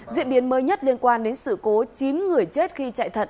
diễn biến mới nhất liên quan đến sự cố chín người chết khi chạy thận